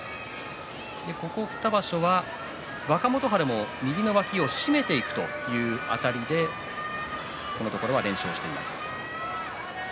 ここ２場所は若元春も右の脇を締めているというあたりでこのところ連勝しています。